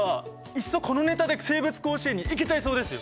いっそこのネタで生物甲子園に行けちゃいそうですよ！